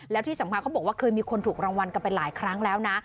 แล้วที่สำคัญเขาบอกว่าเคยมีคนถูกรางวัลกันไปหลายครั้งแล้วนะ